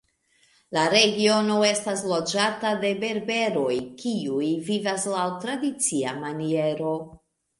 La regiono estas loĝata de berberoj kiuj vivas laŭ tradicia maniero.